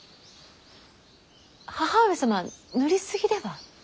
義母上様塗り過ぎでは。